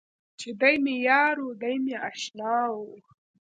چې دی مې یار و، دی مې اشنا و.